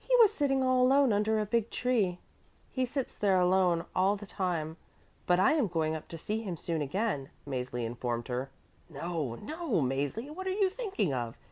He was sitting all alone under a big tree. He sits there alone all the time. But I am going up to see him soon again," Mäzli informed her. "No, no, Mäzli, what are you thinking of?